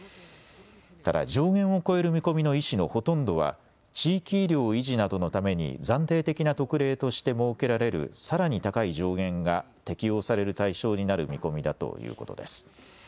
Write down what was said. ただ上限を超える見込みの医師のほとんどは地域医療維持などのために暫定的な特例として設けられるさらに高い上限が適用される対象になる見込みだということです。